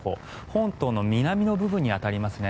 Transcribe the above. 本島の南の部分に当たりますね。